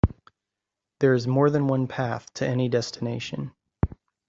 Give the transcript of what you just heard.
There is more than one path to any destination.